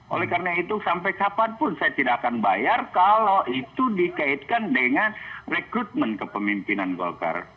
oleh karena itu sampai kapanpun saya tidak akan bayar kalau itu dikaitkan dengan rekrutmen kepemimpinan golkar